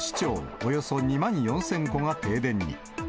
およそ２万４０００戸が停電に。